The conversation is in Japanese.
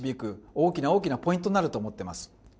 大きな大きなポイントになってくると思っています。